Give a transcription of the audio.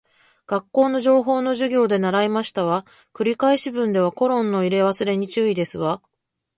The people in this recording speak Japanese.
学校の情報の授業で習いましたわ。繰り返し文ではコロンの入れ忘れに注意ですわ